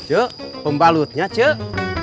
cek pembalutnya cek